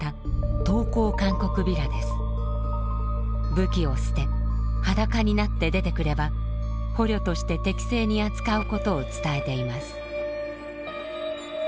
武器を捨て裸になって出てくれば捕虜として適正に扱うことを伝えています。